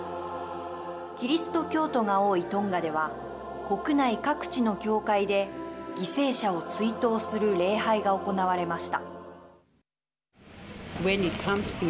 キリスト教徒が多いトンガでは国内各地の教会で犠牲者を追悼する礼拝が行われました。